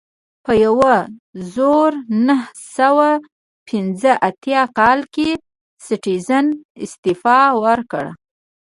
په یوه زرو نهه سوه پنځه اتیا کال کې سټیونز استعفا ورکړه.